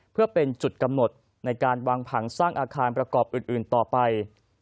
เพื่อเป็นจุดกำหนดในการวางผังสร้างอาคารประกอบอื่นต่อไป